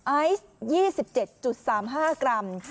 ไอซ์๒๗๓๕กรัม